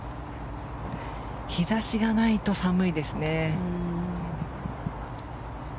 日差しがないと寒いですね。